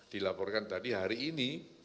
dilaporkan tadi hari ini